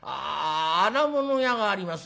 荒物屋があります